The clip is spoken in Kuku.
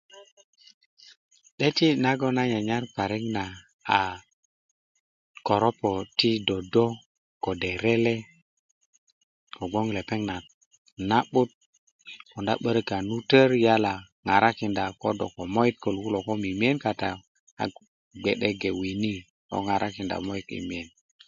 'döti nagon nan nyanyar parik na a koropo to dodo kode' rele kogboŋ lepeŋ na na'but konda 'börik a na tör yala ŋarakinda ko do ko moyit köluk kulo ko mimiyen kata yu a gbe'de ge wini ŋarakinda moyityi miye